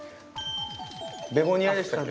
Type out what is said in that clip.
ベゴニアでしたっけ？